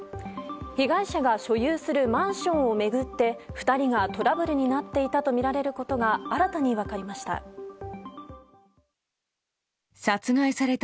被害者が所有するマンションを巡って２人がトラブルになっていたとみられることが新たに分かりました。